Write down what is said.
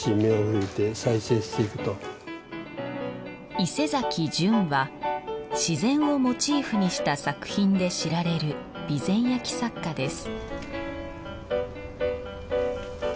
伊勢淳は自然をモチーフにした作品で知られる備前焼作家です